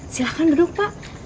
silahkan duduk pak